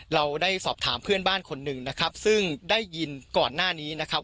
เราได้สอบถามเพื่อนบ้านคนหนึ่งนะครับซึ่งได้ยินก่อนหน้านี้นะครับ